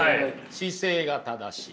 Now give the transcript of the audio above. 姿勢が正しい。